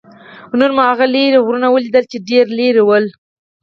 نن مو هغه لرې غرونه ولیدل؟ چې ډېر لرې ول.